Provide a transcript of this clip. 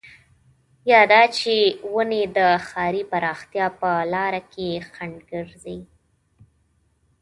يا دا چې ونې د ښاري پراختيا په لاره کې خنډ ګرځي.